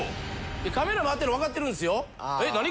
カメラ回ってるのわかってるんですよ。